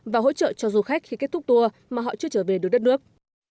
và hỗ trợ cho du khách khi kết thúc tour mà họ chưa trở về được đất nước